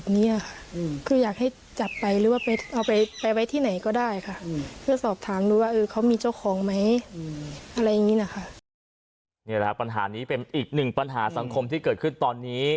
นี่แหละครับปัญหานี้เป็นอีกหนึ่งปัญหาสังคมที่เกิดขึ้นตอนนี้